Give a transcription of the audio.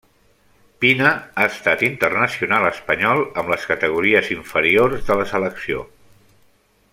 Pina ha estat internacional espanyol amb les categories inferiors de la selecció.